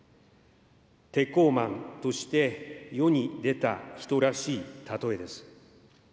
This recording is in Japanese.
鉄鋼マンとして世に出た人らしいたとえです。